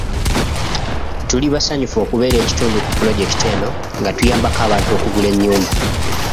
Tuli basanyufu okubeera ekitundu ku pulojekiti eno nga tuyambako abantu okugula ennyumba.